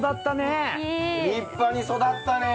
立派に育ったね。